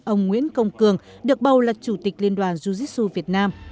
ông nguyễn công cường được bầu là chủ tịch liên đoàn jiu jitsu việt nam